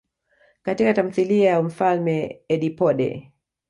Katika tamthilia ya Mfalme Edipode.